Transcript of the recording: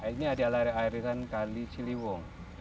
ini adalah air airan kali ciliwung